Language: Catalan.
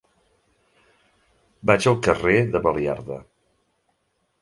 Vaig al carrer de Baliarda.